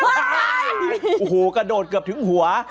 โอ้โหกระโดดเกือบถึงหัว